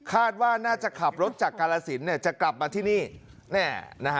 คาดว่าน่าจะขับรถจากกาลสินเนี่ยจะกลับมาที่นี่นะฮะ